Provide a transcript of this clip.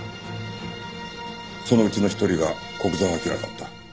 そのうちの一人が古久沢明だった。